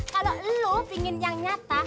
kalau lu pingin yang nyata